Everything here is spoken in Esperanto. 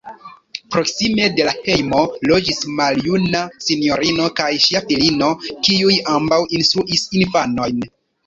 Proksime de la hejmo loĝis maljuna sinjorino kaj ŝia filino, kiuj ambaŭ instruis infanojn.